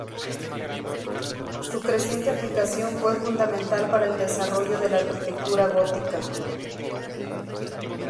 Su creciente aplicación fue fundamental para el desarrollo de la arquitectura gótica.